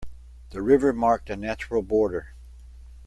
The river marked a natural border.